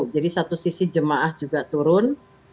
satu sisi jemaah juga turun